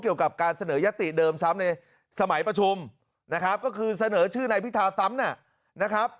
เกี่ยวกับการเสนอยติเดิมซ้ำในสมัยประชุมนะครับก็คือเสนอชื่อนายพิธาซ้ำนะครับ